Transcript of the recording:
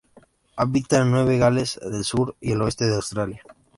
Habita en Nueva Gales del Sur y el oeste de Australia.